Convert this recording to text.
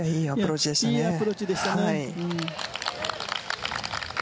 いいアプローチでしたね。